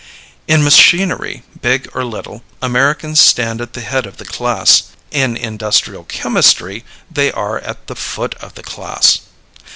In machinery, big or little, Americans stand at the head of the class; in industrial chemistry they are at the foot of the class.